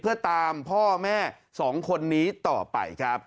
เพื่อตามพ่อแม่๒คนนี้ต่อไปครับ